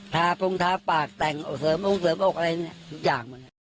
ทาพรุงทาปากแต่งเสริมอุ้งเสริมอกทุกอย่าง